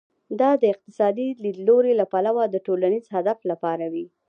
دا د اقتصادي لیدلوري له پلوه د ټولنیز هدف لپاره وي.